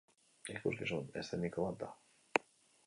Ikuskizun eszeniko bat da.